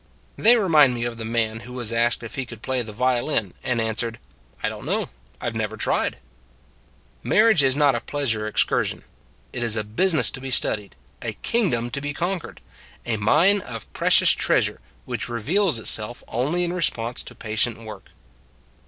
They remind me of the man who was asked if he could play the violin, and an swered: " I don t know; I never tried." Marriage is not a pleasure excursion. It is a business to be studied; a kingdom to be conquered; a mine of precious treasure, 142 It s a Good Old World which reveals itself only in response to patient work.